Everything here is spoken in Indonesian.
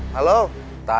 kan tak ada